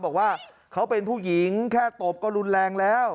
บอกว่าเขาเป็นผู้หญิงแค่ตบก็รุนแรงแล้ว